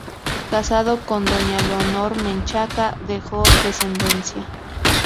Casado con doña Leonor Menchaca, dejó descendencia.